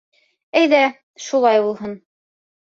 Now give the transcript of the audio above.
— Әйҙә шулай булһын.